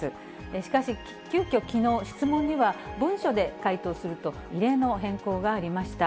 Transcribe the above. しかし、急きょ、きのう、質問には文書で回答すると、異例の変更がありました。